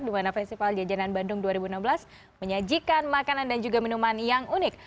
di mana festival jajanan bandung dua ribu enam belas menyajikan makanan dan juga minuman yang unik